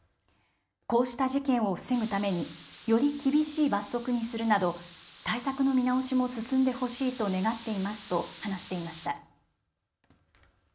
こうした事件を防ぐためにより厳しい罰則にするなど対策の見直しも進んでほしいと願っていますと話していました。